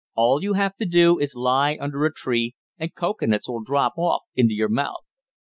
All you have to do is to lie under a tree and cocoanuts will drop off into your mouth."